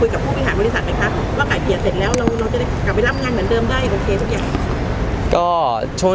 ก็ช่วงที่ผ่านมาก็ยังดีใจครับ